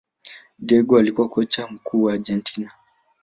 Diego alikuwa kocha mkuu wa Argentina